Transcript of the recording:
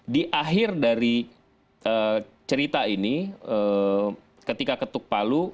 di akhir dari cerita ini ketika ketuk palu